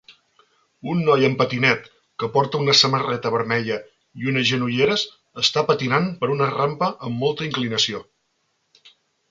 Un noi en patinet que porta una samarreta vermella i unes genolleres està patinant per una rampa amb molta inclinació.